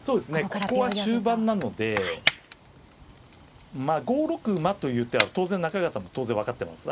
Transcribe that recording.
ここは終盤なのでまあ５六馬という手は当然中川さんも分かってます。